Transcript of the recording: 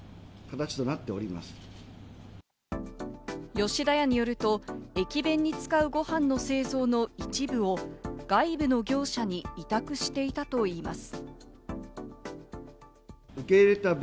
吉田屋によると、駅弁に使うご飯の製造の一部を外部の業者に委託していたといいます。